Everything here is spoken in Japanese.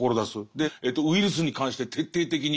でウイルスに関して徹底的に。